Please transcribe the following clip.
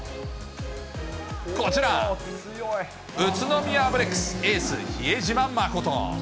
こちら、宇都宮ブレックスエース、比江島慎。